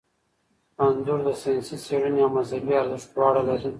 انځور د ساینسي څیړنې او مذهبي ارزښت دواړه لري.